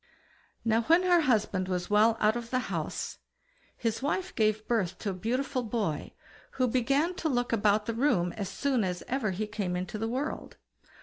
Now, when her husband was well out of the house, his wife gave birth to a beautiful boy, who began to look about the room as soon as ever he came into the world.